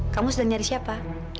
kamu sedang nyari siapa